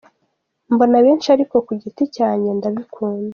Mbona benshi ariko ku giti cyanjye ndabikunda.